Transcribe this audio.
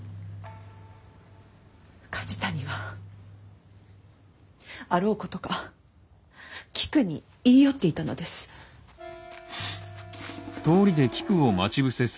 梶谷はあろうことかキクに言い寄っていたのです。